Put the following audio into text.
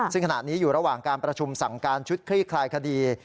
ซึ่งขณะนี้อยู่ระหว่างการประชุมสั่งการชุดคลี่คลายคดี